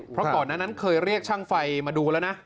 เพราะเคยก็เรียกช่างไฟมาดูแล้วนะ